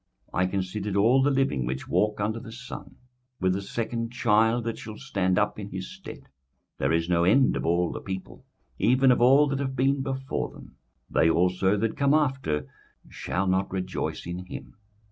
21:004:015 I considered all the living which walk under the sun, with the second child that shall stand up in his stead. 21:004:016 There is no end of all the people, even of all that have been before them: they also that come after shall not rejoice in him.